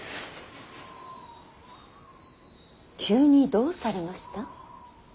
急にどうされました。